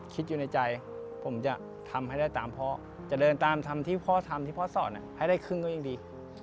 คิดอยู่ในใจผมจะทำให้ได้ตามพ่อจะเดินตามทำที่พ่อทำที่พ่อสอนให้ได้ครึ่งก็ยังดี